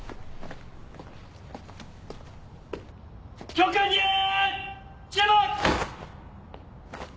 教官に注目！